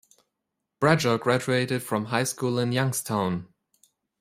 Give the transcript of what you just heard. Bradshaw graduated from high school in Youngstown.